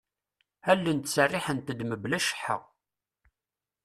Allen ttseriḥent-d mebla cceḥḥa.